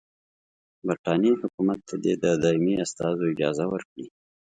برټانیې حکومت ته دي د دایمي استازو اجازه ورکړي.